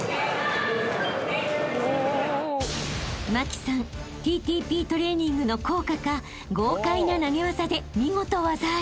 ［茉輝さんＴＴＰトレーニングの効果か豪快な投げ技で見事技あり］